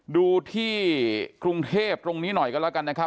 ดูที่กรุงเทพตรงนี้หน่อยกันแล้วกันนะครับ